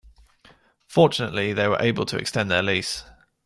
Fortunately, they were able to extend their lease.